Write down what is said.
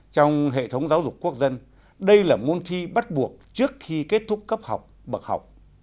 trong hệ thống giáo dục quốc dân đây là môn thi bắt buộc trước khi kết thúc cấp học bậc học